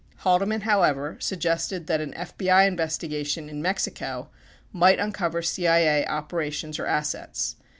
Haldeman, however, suggested that an FBI investigation in Mexico might uncover CIA operations or assets.